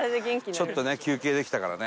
ちょっとね休憩できたからね。